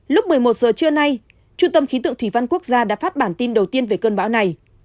lúc một mươi một giờ trưa nay trung tâm khí tượng thủy văn quốc gia đã phát bản tin đầu tiên về cơn bão này